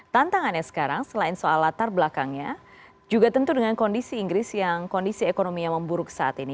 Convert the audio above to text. tantangannya sekarang selain soal latar belakangnya juga tentu dengan kondisi inggris yang kondisi ekonomi yang memburuk saat ini